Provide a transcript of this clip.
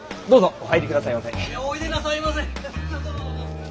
おいでなさいませ！